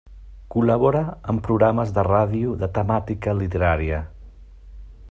Col·labora en programes de ràdio de temàtica literària.